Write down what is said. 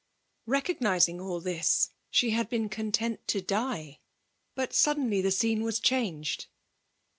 BeoDgnizing all this> ahe had been cont^il to die; but suddenly the scene was changed.